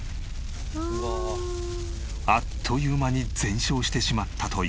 あっという間に全焼してしまったという。